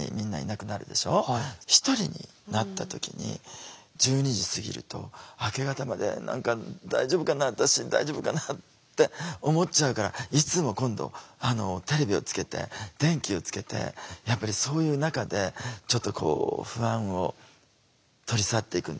１人になった時に１２時過ぎると明け方まで「何か大丈夫かな私大丈夫かな」って思っちゃうからいつも今度テレビをつけて電気をつけてやっぱりそういう中でちょっとこう不安を取り去っていくんですよね。